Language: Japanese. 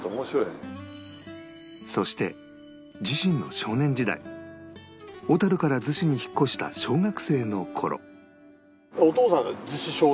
そして自身の少年時代小樽から逗子に引っ越した小学生の頃